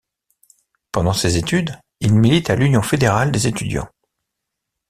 Pendant ses études, il milite à l'Union fédérale des étudiants.